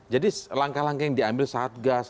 jadi langkah langkah yang diambil satgas